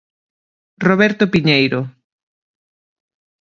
Roberto Piñeiro.